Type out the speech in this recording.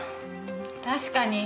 確かに。